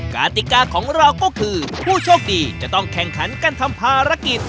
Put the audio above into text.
กติกาของเราก็คือผู้โชคดีจะต้องแข่งขันกันทำภารกิจ